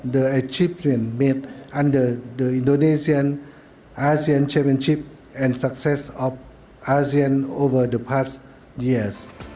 di bawah kemampuan asean indonesia dan kemampuan asean di seluruh tahun yang lalu